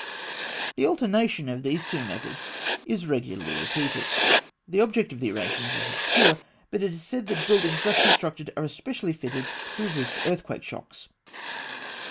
The alternation of these two methods is regularly repeated. The object of this arrangement is obscure; but it is said that buildings thus constructed are especially fitted to resist earthquake shocks.